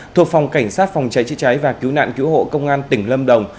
thuộc phòng cảnh sát phòng cháy chữa cháy và cứu nạn cứu hộ công an tỉnh lâm đồng